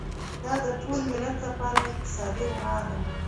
دا د ټول ملت لپاره اقتصادي رڼا ده.